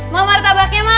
mau martabaknya ma